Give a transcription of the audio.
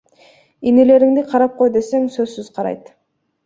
Инилериңди карап кой десең сөзсүз карайт.